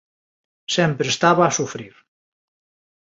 Sempre estaba a sufrir.